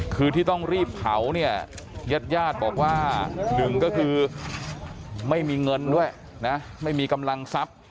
คือที่ต้องรีบเผาเนี่ยญาติญาติบอกว่าหนึ่งก็คือไม่มีเงินด้วยนะไม่มีกำลังทรัพย์